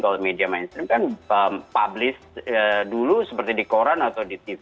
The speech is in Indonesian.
kalau media mainstream kan publish dulu seperti di koran atau di tv